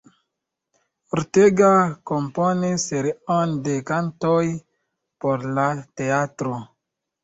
Ortega komponis serion de kantoj por la teatro.